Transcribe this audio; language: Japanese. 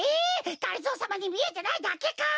がりぞーさまにみえてないだけか？